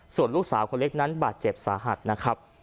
ส่วนลูกสาวคนเล็กนั้นบาดเจ็บสาหัสนะครับ